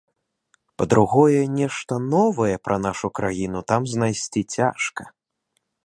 Па-другое, нешта новае пра нашу краіну там знайсці цяжка.